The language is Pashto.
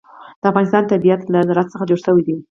د افغانستان طبیعت له زراعت څخه جوړ شوی دی.